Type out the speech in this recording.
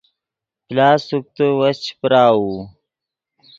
پلاس سوکتے وس چے پراؤو